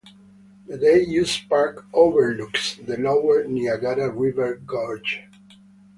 The day-use park overlooks the lower Niagara River Gorge.